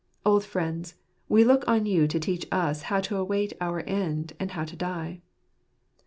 Old friends, we look on you to teach us how to await our end, and how to die.